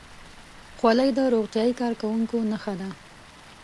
خولۍ د روغتیايي کارکوونکو نښه ده.